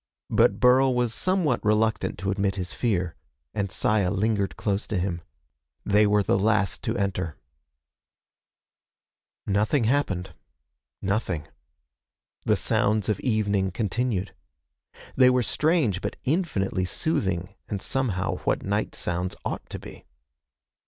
But Burl was somewhat reluctant to admit his fear, and Saya lingered close to him. They were the last to enter. Nothing happened. Nothing. The sounds of evening continued. They were strange but infinitely soothing and somehow what night sounds ought to be.